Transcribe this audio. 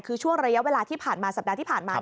คือช่วงระยะเวลาที่ผ่านมาสัปดาห์ที่ผ่านมา